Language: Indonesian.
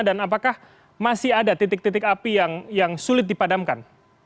dan apakah masih ada titik titik api yang sulit dipadamkan